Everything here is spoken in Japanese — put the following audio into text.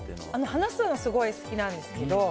話すのはすごい好きなんですけど。